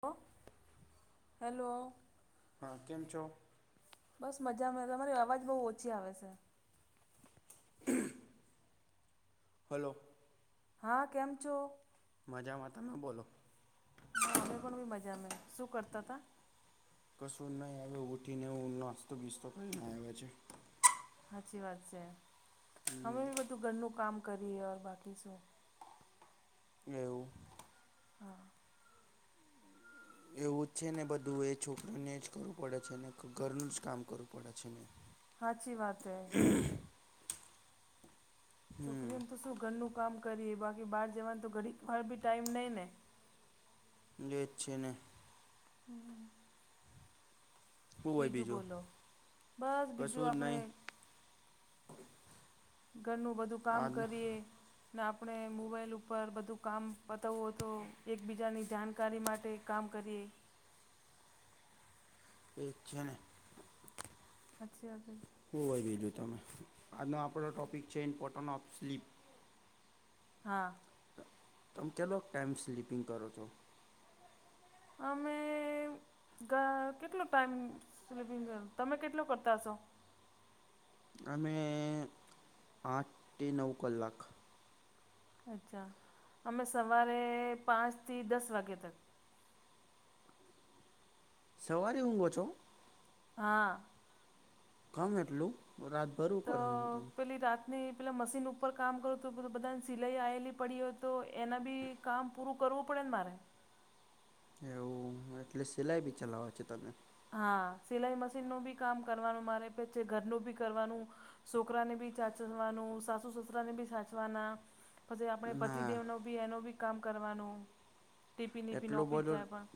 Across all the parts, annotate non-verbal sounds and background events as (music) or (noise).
Hello hello. હા કેમ છો. બસ મજામાં તમારી અવાજ બહુ ઓછી આવે છે. હ (unintelligible) હલો. હા કેમ છો. મજા માતામાં તમે બોલો. ના અમે પણ ભ મજા અમે શું કરતા હતા. કશું નહી આવે ઉઠીને એ નાસ્તો બીસતો કઈ ના આવે છે. સાચી વાત છે અમે બી બધું ઘરનું કામ કરીએર બાકી શું. એવું. હા (unintelligible) એવું જ છે ને બધું એ છોકરીને જ કરવું પડે છે ને ઘરનું જ કામ કરવું પડે છે ને. હાચી વાત હૈ. હમ છોકરીઓને તો શું ઘરનું કામ કરીએ બાકી બહાર જવાનું તો ઘડી વાર બી ટાઈમ નહીં ને જે અચ્છેને. (unintelligible) શું હોય બીજું બોલો બસ બીજું કશું જ આપણે. નહીં ઘરનું બધું કામ આજનો કરીએ. ને આપણે મોબાઈલ ઉપર બધું કામ પતાવવું તો એકબીજાની જાણકારી માટે. કામ કરએ. એ છેને. સાચછી. શું હોય બીજું તમે આજનો આપણો ટૉપિક છે ઇમ્પોર્ટન્ટ ઓફ સ્લીપ. હા. તમે કેટલો ટાઈમ સ્લીપિંગ કરો છો. અમે. કેટલો ટાઈમ સ્લીપિંગ તમે કેટલું કરતા હશો. અમે આઠ નવ કલાક. અચ્છા અમે સવારે પાંચથી દસ વાગે તક. સવારે ઉઊઘો છો. હા. કામ એટલુંત. તો પહેલી રાત. ને પેલાં મશીન ઉપર કામ કરો તો બધાને સિલાઈ આવેલી પડી હોય તો એના બી. કામ પૂરું કરવું પડે ને મારે. એવું એટલે સિલાઈ બી ચલાવ છે તમે. હા સિલાઈ મશીનનું બી કામ કરવાનું મારે પછી ઘરનું બી કરવાનું. છોકરાને ભી ચાચવાનું સાસુ સસરા ને ભી સાચવાના. પછી આપણે ના પતિદેવનો બી એનું બી કામ કરવાનું ટીપી ટીપી એટલો નહોપી જ બધો જાય પણ.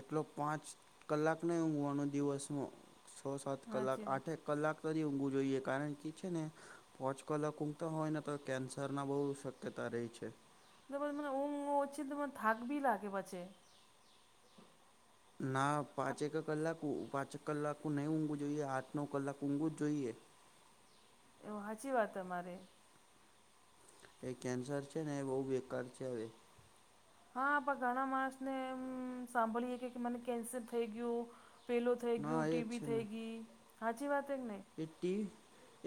એટલો પાંચ કલાકનેહી ઊવાનો દિવસમાં છ સાત કલાક હાચી વાત આઠેક. કલાક તરી ઊંઘું જોઈએ કારણ કે છે ને. પોચ કલાક ઉઊગતા હોય ને તો કેન્સર ના બહુ શક્યતા રહી છે. ત મને ઉઊમ હ છે. તો મને થકવી લ આેવાંચે. ના આ પાંચેક કલાક પાંચેક કલાક નહીં ઊંઘું જોઈએ આઠ નવ કલાક ઊંઘું જ જોઈએ. એવું સાચી વાત અમારે. એ કેન્સર છે ને એ બહુ બેકાર છે હવે. હા આપ ઘણા માણસને એમ સાંભળી કે મને કેન્સર થઈ ગયું. પેલો થઈ ના ગયું એ જ ટીબી છે ને થઈ ગઈ સાાચી વાત એ કે હી. એ. (unintelligible)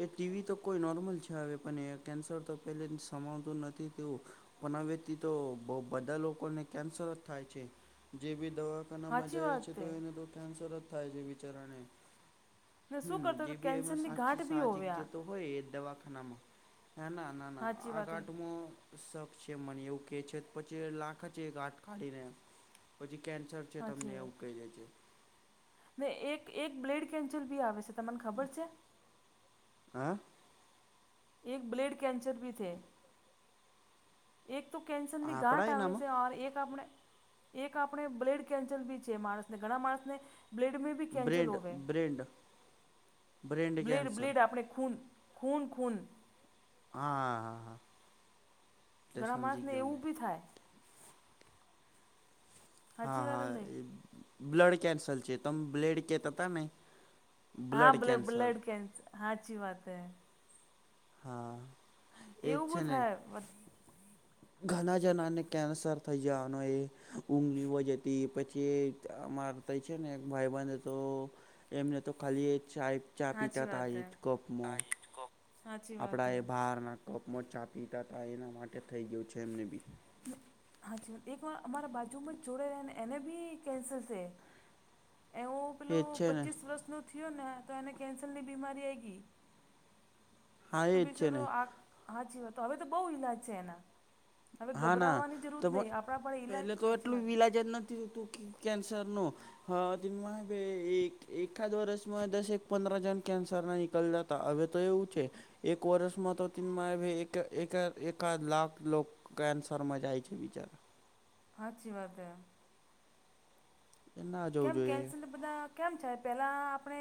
એ ટીવી તો કોઈ નોર્મલ છે આવે પણ એ કેન્સર તો પે સમાવતું નથી તેવું. પણ આ વ્યક્તિ તો બધા લોકોને કેન્સર જ થાય છે જે બી દવા. ના સાચી મજા એ વાત છે તો તે એને તો કેન્સર જ થાય છે વિચારાણે ને શું કરતો કે કેન્સરની ઘાંટ બી સાહજિક હોવ્યા જે હોય એ દવાખાનામાં ના ના ના ના સાચી આ વાત એ ઘાટમાં શખ છે મને એવું કેહે છે પછી લાખ છે આાટ કાઢીને પછી કેન્સર. છે સાચી તમને એવું વાત કહી દે છે. ને એક એક બ્લેડ કેન્સલ બી આવે છે તમને ખબર છે. હા. એક બ્લેડ કેન્સર ભી થે. એક તો કેન્સનની ગાંઠ આપણા આવે એનામાં છેર એક આપણે. એક આપણે બ્લેડ કેન્સલ બી છે માણસને ઘણા માણસને બ્લેડ મે. કેન્ચલ બ્રેન્ડ હોવે brain brain blood cancer blood આપણે ખૂન. ખૂન ખૂલ. હાા હા હા. તે ઘણા સમજી માણસને ગયો એવું મેં બી થાય. હા સાચી વાત હા નહીં એ બ્લડ કેન્સલ છે તમ બ્લેડ કે ત હતા નહી. હા બ બ્લડ કે હા અચ્છી વાત હૈ હા એ જ એવું છે બી ને થાય ઘણા જણાને કેન્સર થઈ જવાનો એ ઊગી જતી પછી અમાર થ છે ને ભાઈ બને તો એમને તો ખાલી એ સાહેબ ચા સાચી પીતા વાત થાય હે જ કપમાં સાચી વાત આપણા હે એ બહારના કપમાં ચા પીતા હતાા એના માટે થઈ ગયું છે એમને બી ને હા જીવન એક વાર અમારા બાજુમાં જ જોડે રહે ને એને બી કેન્સલ છે. એવો પેલો એ જ છે ને પચીસ વર્ષ ન થયો ને તો એને કેન્સરની બીમારી આ ગઈ- હા તો એ જ બીસ છે ને આ હાચી વાતો હવે તો બહુ ઈલાજ છે એના- હવે હા ના ગભરાવાની જરૂર તો નહીં આપણા પણ ઈલાજ પેલે તો સાચી એટલું વાત વિલાજત નથી થતું કેન્સર નું- હા ભાઈ એક એાદ વર્સમાં દસ પંદર જણ કન્સર ના નિકલ જ- હવે તો એવું છે એક વર્ષમાં તોન એકા લાખ- ક કેન્સરમાં જાય છે વિચાર- હા અચી વાત હ- એ ના જવું કેમ જોઈએ કેન્સર બધા કેમ છે પહેલાં આપણે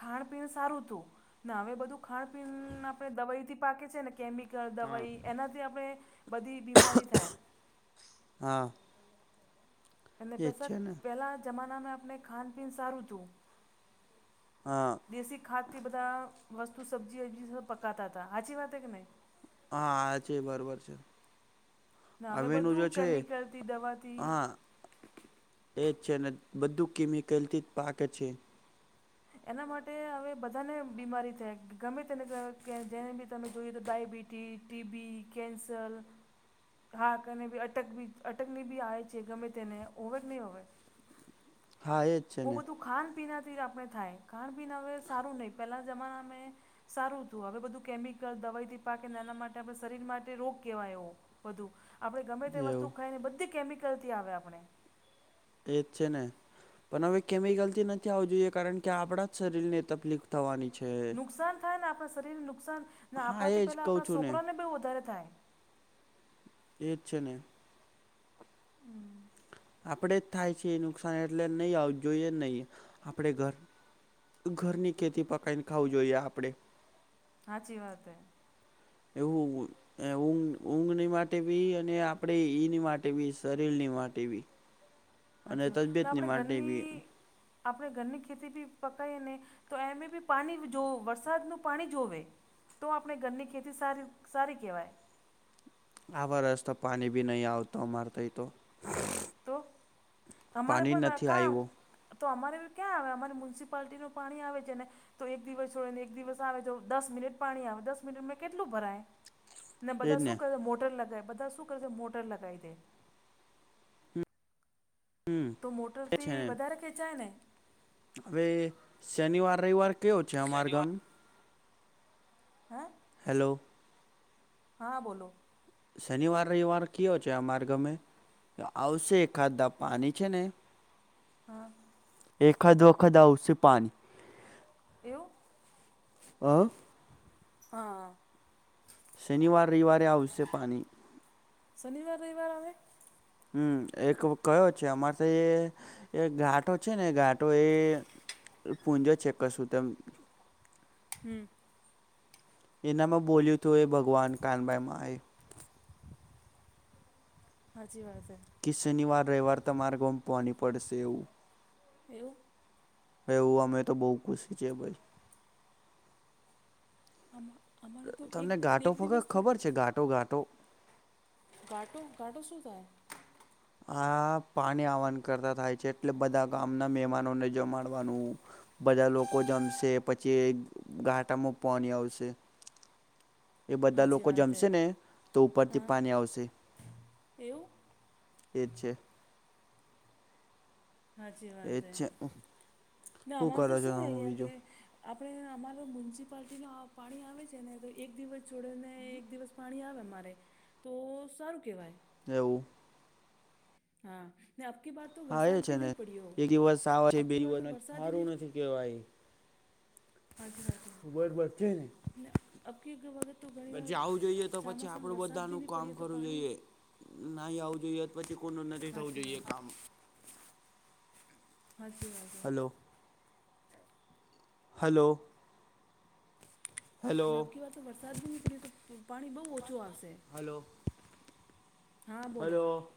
ખાણપીણ સારું હતું- ના હવે બધું ખાવા પીન આપણે દવાઈ થી પાકે છે ને કેમિક કલ હા દવાઈ એનાથી આપણે બધી બીમારી થાય. હા. એ એજ પાસા છે ને પહેલાના જમાનામાં આપણે ખાનપીન સારું હતું. હા. દેશી ખાદ્યથી બધા વસ્તુ સબ્જી એબજી પકાતા તા હાચી વાત હે કે નહીં? હા આ છે બરોબર છે. ને હવે અવેનું જે બધું છે કેમિકલથી દવાથી હા. એજ છે ને બધું કેમિકલથી જ પાકે છે. એના માટે હવે બધાને બીમારી થાય ગમે તેને ત જેને બી તમે જોઈએ તો ડાયબિટી ટી, ટીબી, કેન્સલ હા ગમે તેને અટક બી અટકની બી આવે છે ગમે તેને ઓવેક નઈ હોવે? હા એ બો બધું ખાણપીનાથી આપણે થાય ખાનપીણ હવે સારું નહીં પેહલાન જમાનામાં આપડે સારું થયું હવે બધું કેમિકલ, દવાઈથી પાકે એના માટે આપણે શરીર માટે રોગ કેવા અયો. વધુ આપણે ગમે તે એવું વસ્તુ ખઈને બધી કેમિકલથી આવે આપણે. એજ છે ને પણ હવે કેમિકલથી નથી આવું જોઈએ કારણ કે આપડા જ શરીર ને તકલીફ થવાની છે. નુકસાન થાય ને આપણા શરીરને નુકસાન ને હા આપવાથી એ જ પહેલાં કહ આપણા છું ને શોકરાને બહુ વધારે થાય. એ જ છે ને. હમ આપણેે જ થાય છે એ નુકસાન એટલે નહીં આવ જોઈએ નહીં આપણે ઘર ઘરની ખેતી પકાઈને ખાવું જોઈએ આપણે. હાચી વાત હે. એવું એવું ઊંઘ ઊંઘની માટે બી અને આપણે ઈની માટે બી શરીરની માટે બી. અને હાચી ને તબિયતની આપણે માટે બી. ઘરની આપણે ઘરની ખેતી બી પકાઈએ ને તો એમે બી પાણી જોવ વરસાદનું પાણી જોવે. તો આપણે ઘરની ખેતી સારી સારી કેવાય. આ વરસ તો પાણી બી નહીં આવ તો અમાર અહીયાં તો. તો તમારે પાણી પણ રા નથી કા આવ્યું તો અમારે બી ક્યાં આવે અમારે મ્યુનિસિપાલિટીનું પાણી આવે જેને તો એક દિવસ છોડે ને એક દિવસ આવે તો દસ મિનિટ પાણી આવે દસ મિનિટમાં કેટલું ભરાય? ને બધા શું કરે મોટર લગાવે બધા શું કરે છે મોટર લગાઈ દે. હમ તો એ છે મોટરથી ને વધારે ખેંચાય ને? હવે શનિવાર રવિવાર કેયો છે અમાર ગમ હે? હેલો. હા બોલો. શનિવાર રવિવાર કયો છે અમારે ગમે આવશે ખાધા પાણી છે ને હા. એકાદ વખત આવસે પાણી. એવું. અ. હા. શનિવાર રઈવારે આવશે પાણી. શનવાર રવવાર આવેમે હમ એક કયો છે અમારે તો એ ઘાટો છે ને ઘાટો એ પૂંજો ચેક કરશું તેમ હમ્મ. એનામાં બોલ્યું તું એ ભગવાન કાનભાઈમાં એ હાચી વાત હે. કે શનિવાર રવિવાર તમારે ગોમ પાની પડશે એવું. એવું? એવું અમે તો બઉુ ખુશી છીએ ભાઈ આ અમારો તો એક તમને ઘાટો એક વગર દિવસ થોડ ખબર છે ઘાટો ઘાટો ઘાટો ઘટો સો થય આ પાણી આવવાન કરતા થાય છે એટલે બધા ગામના મહેમાનોને જમાડવાનું બધા લોકો જમશે પછી ઘાટામાં પાણી આવશે એ બધા હાચી લોકો વાત હે જમશે ને તો ઉપરથી હા પાણી આવશે એવું એ જ છે સાાચી વાત એજ છે અમાર તો કરો છો શું તમે અહં કે બીજું આપણે અમારો મ્યુનિસિપાલટી ન પાણી આવે છે ને તો એક દિવસ જોડે ને એક દિવસ પાણી આવે અરે તો સારું કહેવાય એવું હા મે અ આપકી બત તો હા એ વરસાદ છે બી ને નહીં પડ્યો એકિવવા બે અબકી બાર તો દ વરસાદ સારું નહીં નથી કેવાય હાજી વાજ વોત વળત ક કેી અબકી વખત તો ઘણી વાર પછી આવું જોઈએ તો પછી ચોમાસામાં આપડું વરસાદ બધા ન બી નહીં કામ પડ્યો તો કરવું પાણી જોઈએ નાહી આવું જોઈએ પછી કોનું નથી થવું હાચી જોઈએ વાત કામ હાજી વાત હે હલો હલો હલો અનેખી વાર તો વરસાદ બી નહીં પડ્યો તો પાણી બહુ ઓછું આવશે હલો હા બોલો હલો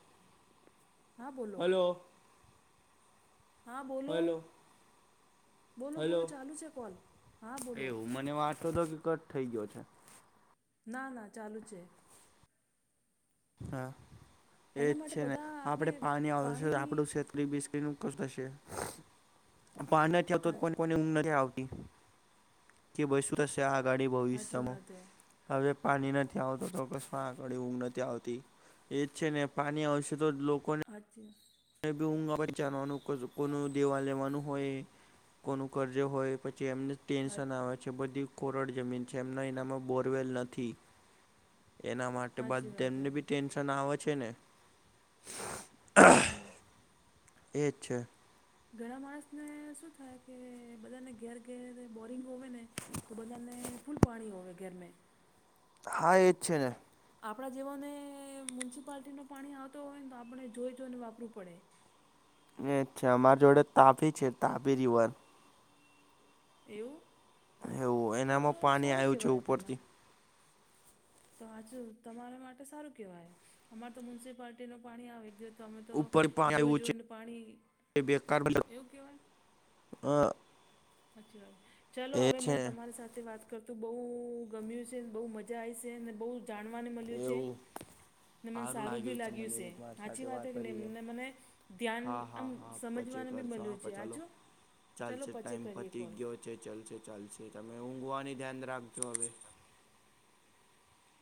હા બોલો હલો હા બોલો હલો બોલો હલો બોલો ચાલું છે કોૉલ હા બોલો એવું મને આંટો હતોો કે કટ થઈ ગયો છે ના ના ચાલુ છે. હા એજ એના માટે છે ને બધા આપણે આપડે પાણી આવશે આપડું શેતકરી બિસ્કીું થ નથી આવતો હા પણ કોને ઊંઘ નથી આવતી કે બસું તશે આગાડી હાચી ભવિષ્યમાં વાત હે હવે પાણી નથી આવત તો કમાં આગળ ઊંઘ નથી આવતો એજ છે ને પાણી આવશે તો લોકોને આજ ઊંઘા પર જાણવાનું કોનું દેવા લેવાનું હોય કોનું કર્જે હોય પછી એમને હા ટેન્શન આવે છે બધી કોરડ જમીન છે એમના એનામાં બોરવેલ નથી. એના માટે હાચી બદ વાત એને હે બી ટેન્શન આવે છે ને હમ એ અચ છેા ઘણા માણસને શું થાય કે બધાને ઘેર ઘેર બોરિંગ હોય ને તો બધાને ફૂલ પાણી હોવે ઘેરમે હા એ જ છે ને. આપણા જેવાને મ્યુનિસિપાલટી નું પાણી આવતો હોય ને તો આપણે જોઈ જોઈને વાપરું પડે. એ અચ્છા અમારી જોડે તાપી છે તાપી રિવર. એવું એવું તો એનામાં પાણી સારું આવ્યું છે કહેવાય તમારે ઉપરથી તો હચું તમારા માટે સારું કહેવાય અમારે તો મ્યુનિસિપાલિટીનું પાણી આવેિવ તમે તો ઉપર પાણી જોઈ આવ્યું જોઈને પાણી છે બેકાર એવું કહેવાય હ હાચ્ચી વાત ચલો એ હવે છે મને તમારી સાથે વાત. કરતું બહુ ગમ્યું છે બહુ મજા આવી છે અને બહુ જાણવાને મળ્યું છે. એવું ને મને સારું ભી લાગ્યું છે હાચી વાત હેકેને એમને મને ધ્યાન. હા આમ હા હા પછી સમજવાને બી કરશો મળ્યું છે હા આ ચાલો છો. ચાલશે ટાઈમ પતી ગયો છે ચાલશે ચાલશે તમે ઊંઘવાની ધ્યાન રાખજો હવે.